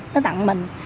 nó tặng mình